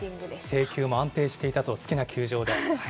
制球も安定していたと、好きな球場で。